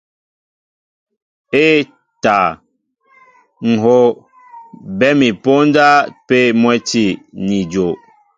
E᷇ taa, ŋ̀ hów, bé mi póndá pē mwɛ́ti ni ajow.